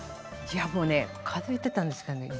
いやもうね数えてたんですけどね